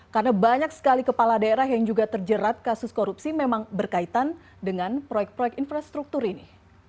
karena banyak sekali kepala daerah yang juga terjerat kasus korupsi memang berkaitan dengan proyek proyek infrastruktur ini